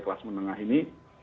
kelas menengah ini